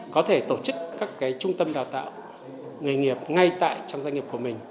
có thể tổ chức các trung tâm đào tạo nghề nghiệp ngay tại trong doanh nghiệp của mình